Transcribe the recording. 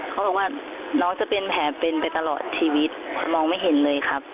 เขาบอกว่าน้องจะเป็นแผลเป็นไปตลอดชีวิตมองไม่เห็นเลยครับ